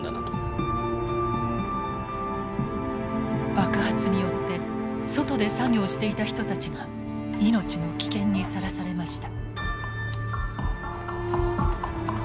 爆発によって外で作業していた人たちが命の危険にさらされました。